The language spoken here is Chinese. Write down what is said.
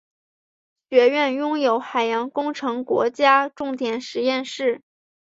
学院拥有海洋工程国家重点实验室。